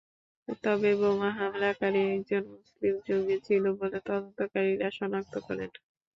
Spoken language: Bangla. তবে বোমা হামলাকারী একজন মুসলিম জঙ্গি ছিল বলে তদন্তকারীরা শনাক্ত করেন।